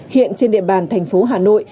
hiện trên địa bàn thành phố hà nội